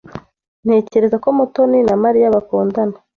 Ntekereza ko Mutoni na Mariya bakundana.